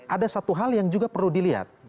ada satu hal yang juga perlu dilihat